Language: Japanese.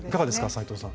斉藤さん。